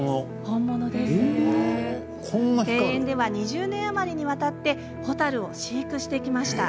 庭園では２０年余りにわたって蛍を飼育してきました。